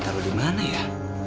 taruh dimana ya